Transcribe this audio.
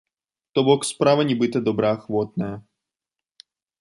То-бок, справа нібыта добраахвотная.